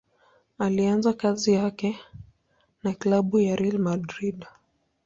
Alianza kazi yake na klabu ya Real Madrid.